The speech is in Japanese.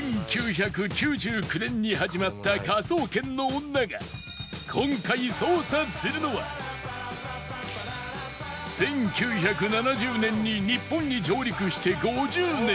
１９９９年に始まった『科捜研の女』が１９７０年に日本に上陸して５０年